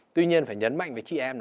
tuy nhiên phải nhấn mạnh với chị em